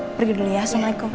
pergi dulu ya assalamualaikum